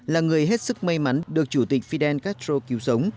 là người hết sức may mắn được chủ tịch fidel castro cứu sống